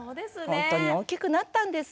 ほんとに大きくなったんですね。